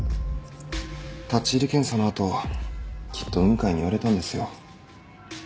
立入検査の後きっと雲海に言われたんですよ。